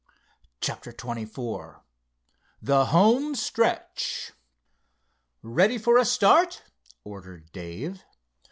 CHAPTER XXIV THE HOME STRETCH "Ready for a start," ordered Dave.